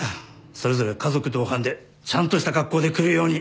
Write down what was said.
それぞれ家族同伴でちゃんとした格好で来るように。